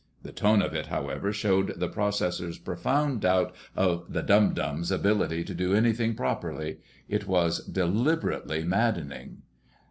The tone of it, however, showed the processor's profound doubt of the "dum dums'" ability to do anything properly. It was deliberately maddening.